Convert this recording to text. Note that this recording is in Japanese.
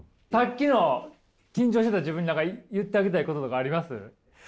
さっきの緊張してた自分に言ってあげたいこととかあります？